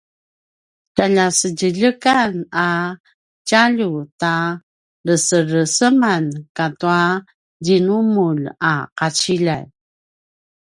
tjalja sedjeljekan a tjalju ta resereseman katu djinumulj a qaciljay